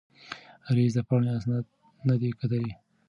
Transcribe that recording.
رییس د پاڼې اسناد نه دي کتلي.